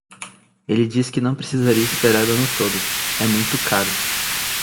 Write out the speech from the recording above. Ele diz que não precisaria esperar o ano todo, é muito caro.